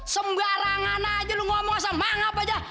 sembarangan aja lo ngomong asal mangap aja